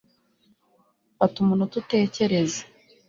Fata umunota utekereze